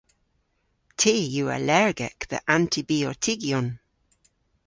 Ty yw allergek dhe antibiotygyon.